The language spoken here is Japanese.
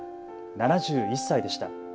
７１歳でした。